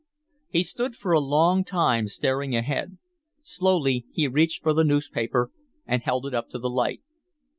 He stood for a long time, staring ahead. Slowly, he reached for the newspaper and held it up to the light.